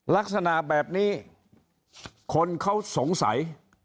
ลักษณะแบบนี้คนเขาสงสัย